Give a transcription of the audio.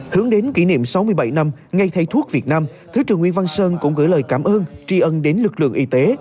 hướng đến kỷ niệm sáu mươi bảy năm ngay thầy thuốc việt nam thứ trưởng nguyễn văn sơn cũng gửi lời cảm ơn tri ân đến lực lượng y tế